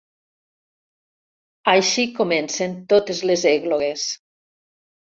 Així comencen totes les èglogues.